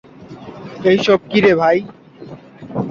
এইসব কীরে, ভাই?